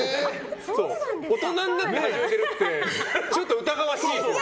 大人になってから始めてるってちょっと疑わしいよね。